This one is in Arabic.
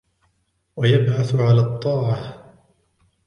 وَيَبْعَثُ عَلَى الطَّاعَةِ